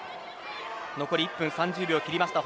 残り１分３０秒切りました。